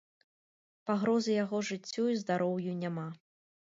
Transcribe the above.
Пагрозы яго жыццю і здароўю няма.